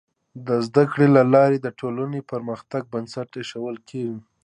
د زده کړې له لارې د ټولنې د پرمختګ بنسټ ایښودل کيږي.